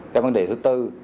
cái vấn đề thứ tư